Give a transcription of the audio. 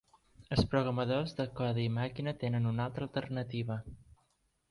Els programadors de codi màquina tenen una altra alternativa.